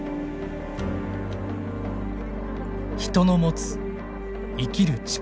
人の持つ生きる力。